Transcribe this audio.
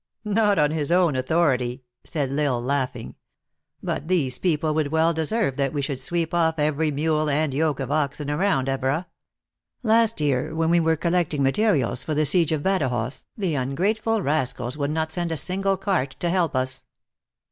" Not on his own authority," said L Isle, laughing. " But these people would well deserve that we should sweep off every mule and yoke of oxen around Evora. Last year when we were collecting materials for the siege of Badajoz, the ungrateful rascals would not send a single cart to help us."